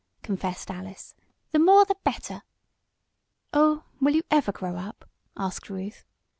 confessed Alice. "The more the better!" "Oh, will you ever grow up?" asked Ruth.